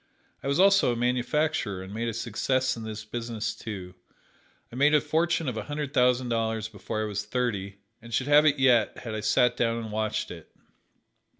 I was also a manufacturer, and made a success in this business, too. I made a fortune of a hundred thousand dollars before I was thirty, and should have it yet had I sat down and watched it.